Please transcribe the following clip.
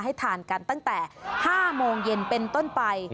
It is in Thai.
ให้ทานกันตั้งแต่๕โมงเย็นเป็นต้นไป